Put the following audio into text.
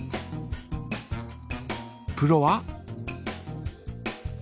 プロは？